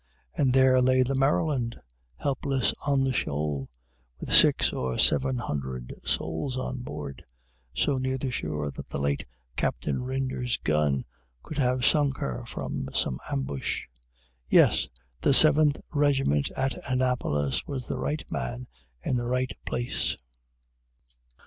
And there lay the "Maryland," helpless on the shoal, with six or seven hundred souls on board, so near the shore that the late Captain Rynders's gun could have sunk her from some ambush. Yes! the Seventh Regiment at Annapolis was the Right Man in the Right Place!